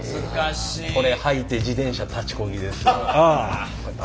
これはいて自転車立ちこぎですよ。